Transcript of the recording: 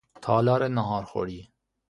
تالار ناهارخوری